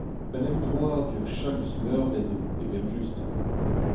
Un emdroadur chalus-meurbet eo, evel-just.